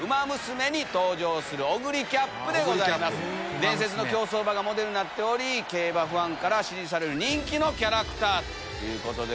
伝説の競走馬がモデルになっており競馬ファンから支持される人気のキャラクターです。